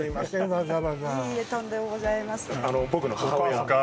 わざわざいいえとんでもございません